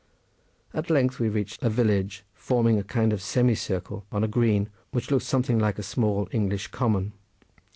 At length we reached a village, forming a kind of semicircle on a green, which looked something like a small English common.